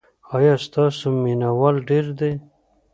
ایا ستاسو مینه وال ډیر دي؟